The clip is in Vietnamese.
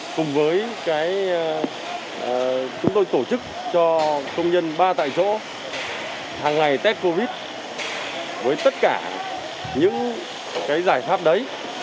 cùng với chúng tôi tổ chức cho công nhân ba tại chỗ hằng ngày test covid một mươi chín với tất cả những giải pháp đấy